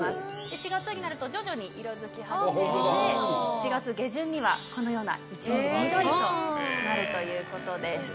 ４月になると徐々に色づき始めて４月下旬にはこのような一面緑になるということです。